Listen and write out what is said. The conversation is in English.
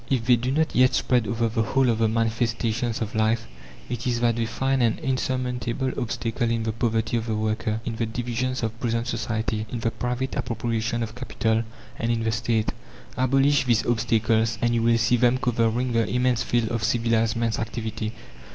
If they do not yet spread over the whole of the manifestations of life, it is that they find an insurmountable obstacle in the poverty of the worker, in the divisions of present society, in the private appropriation of capital, and in the State. Abolish these obstacles, and you will see them covering the immense field of civilized man's activity.